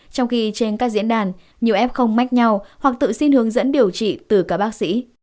trong khi trên các diễn đàn nhiều f không mách nhau hoặc tự xin hướng dẫn điều trị từ các bác sĩ